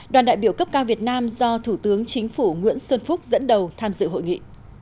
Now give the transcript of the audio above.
đoàn đại biểu cấp cao việt nam do thủ tướng chính phủ nguyễn xuân phúc dẫn đầu tham dự hội nghị